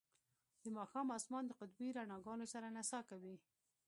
د ماښام اسمان د قطبي رڼاګانو سره نڅا کوي